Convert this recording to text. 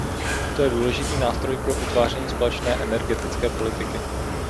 To je důležitý nástroj pro utváření společné energetické politiky.